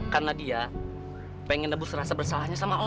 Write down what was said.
karena dia pengen nebus rasa bersalahnya sama lo